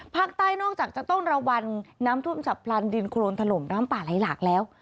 ภาคใต้นอกจากจะต้องระวังน้ำทูบจะปลันดินโครนทะลมน้ำป่าไหลหลากแล้ว